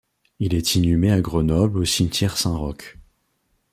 Il est inhumé à Grenoble au cimetière Saint-Roch.